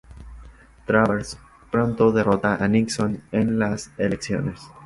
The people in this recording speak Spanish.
Travers pronto derrota a Nixon en las elecciones.